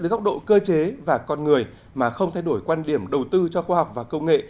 dưới góc độ cơ chế và con người mà không thay đổi quan điểm đầu tư cho khoa học và công nghệ